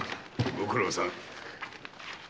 御苦労さん。